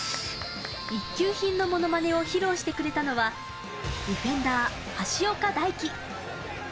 １級品のモノマネを披露してくれたのは、ディフェンダー、橋岡大樹。